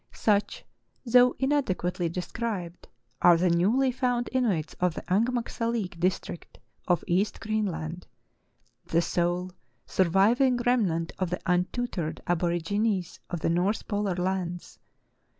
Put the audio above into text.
Such, though inadequately described, are the newly found Inuits of the Angmagsalik district of East Green land, the sole surviving remnant of the untutored aborigines of the north polar lands.